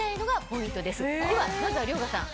ではまずは遼河さん。